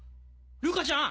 ルカちゃん